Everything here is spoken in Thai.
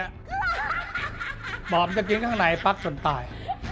หมอบจะกินข้างในพักจนตาย